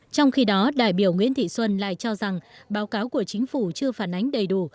trong khi đó đại biểu nguyễn thị xuân lại cho rằng báo cáo của chính phủ chưa phản ánh đầy đủ